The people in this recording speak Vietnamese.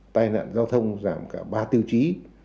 tai nạn giao thông giảm cả ba tiêu chí